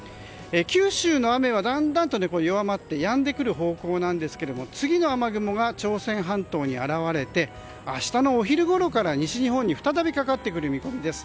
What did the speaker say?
九州の雨はだんだんと弱まってやんでくる方向なんですが次の雨雲が朝鮮半島に現れて明日のお昼ごろから西日本に再びかかってくる見込みです。